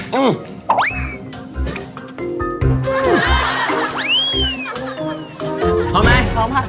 ไปเร็วเข้า